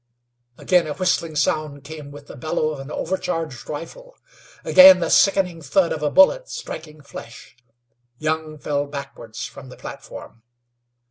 Again a whistling sound came with the bellow of an overcharged rifle; again the sickening thud of a bullet striking flesh. Young fell backwards from the platform.